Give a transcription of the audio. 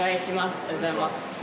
おはようございます。